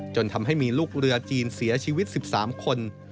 จนทำให้มีลูกเรือจีนเสียชีวิต๑๓คน